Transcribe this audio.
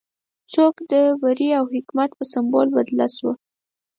څوکه د بري او حکمت په سمبول بدله شوه.